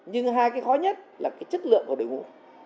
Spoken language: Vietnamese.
nhưng hai cái khó nhất là cái chất lượng của đội ngũ